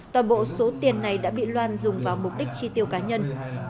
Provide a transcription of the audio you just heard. toàn bộ số tiền này đã bị loan dùng vào mục đích chi tiêu cá nhân